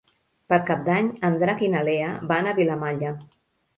Per Cap d'Any en Drac i na Lea van a Vilamalla.